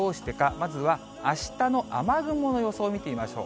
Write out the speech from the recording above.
まずはあしたの雨雲の予想を見てみましょう。